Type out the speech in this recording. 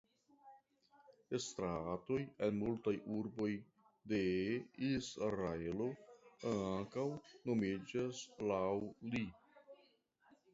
Stratoj en multaj urboj de Israelo ankaŭ nomiĝas laŭ li.